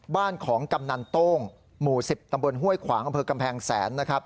บ้านของกำนันโต้งหมู่๑๐ตำบลห้วยขวางอำเภอกำแพงแสนนะครับ